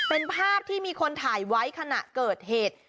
เป็นภาพที่มีคนถ่ายไว้ขณะเกิดเหตุ